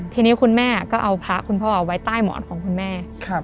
ทีนี้คุณแม่ก็เอาพระคุณพ่อเอาไว้ใต้หมอนของคุณแม่